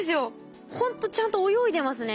ほんとちゃんと泳いでますね。